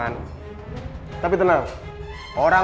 kau tak bisa mencoba